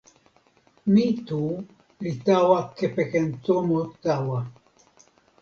mi tu li tawa kepeken tomo tawa.